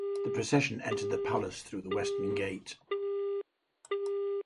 The procession entered the palace through the western gate.